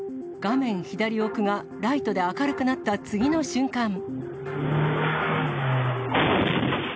画面左奥がライトで明るくなった次の瞬間。